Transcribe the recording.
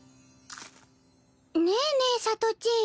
ねえねえさとちん